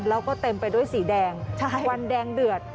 แล้วก็เต็มไปด้วยสีแดงวันแดงเดือด